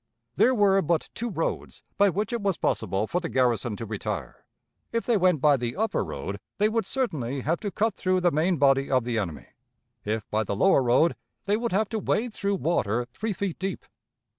There were but two roads by which it was possible for the garrison to retire. If they went by the upper road, they would certainly have to cut through the main body of the enemy; if by the lower road, they would have to wade through water three feet deep.